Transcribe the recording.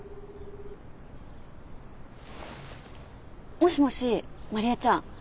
もしもし麻理恵ちゃん